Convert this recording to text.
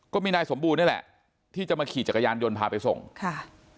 ก็มีนายสมบูรณนี่แหละที่จะมาขี่จักรยานยนต์พาไปส่งค่ะ